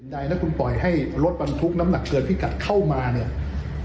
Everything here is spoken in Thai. ใดถ้าคุณปล่อยให้รถบรรทุกน้ำหนักเกินพิกัดเข้ามาเนี่ย